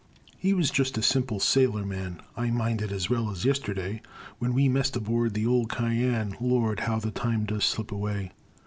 He was just a simple sailor man. I mind it as well as yisterday, When we messed aboard of the old Cyane. Lord! how the time does slip away!